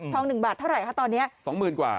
ทองหนึ่งบาทเท่าไรฮะตอนเนี้ยสองหมื่นกว่า